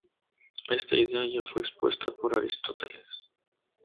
Esta idea ya fue expuesta por Aristóteles.